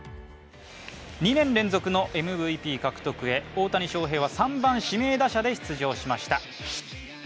２年連続のＭＶＰ獲得へ、大谷翔平は３番・指名打者で出場しました。